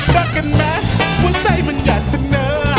รักกันไหมหัวใจมันอยากเสนอ